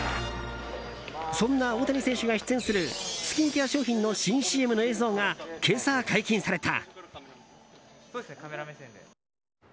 そんな大谷選手が出演するスキンケア商品の新ＣＭの映像が今朝、解禁された。